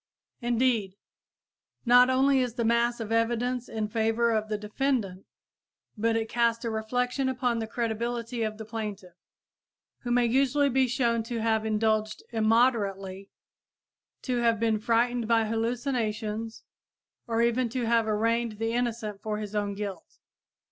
Indeed, not only is the mass of evidence in favor of the defendant, but it casts a reflection upon the credibility of the plaintiff, who may usually be shown to have indulged immoderately, to have been frightened by hallucinations or even to have arraigned the innocent for his own guilt.